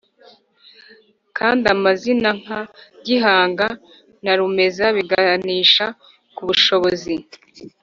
Kandi amazina nka gihanga na rumeza biganisha ku bushobozi